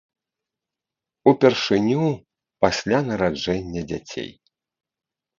Упершыню пасля нараджэння дзяцей.